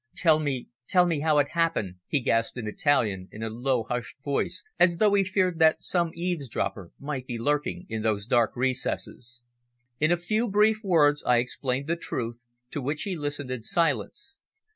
"Tell me tell me how it happened," he gasped in Italian in a low, hushed voice, as though he feared that some eavesdropper might be lurking in those dark recesses. In a few brief words I explained the truth, to which he listened in silence.